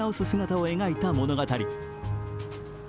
姿を描いた物語。